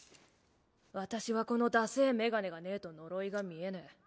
私はこのだせぇ眼鏡がねぇと呪いが見えねぇ。